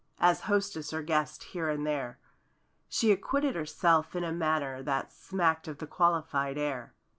As hostess or guest here and there; She acquitted herself in a manner That smacked of the qualified air.